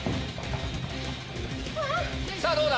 さぁどうだ？